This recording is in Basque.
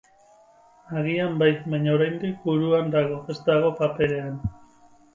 Agian bai, baina oraindik buruan dago, ez dago paperean.